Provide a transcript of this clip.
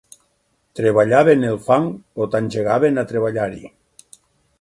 Treballaven el fang o t'engegaven a treballar-hi.